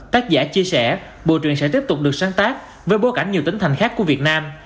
tác giả chia sẻ bộ truyền sẽ tiếp tục được sáng tác với bối cảnh nhiều tỉnh thành khác của việt nam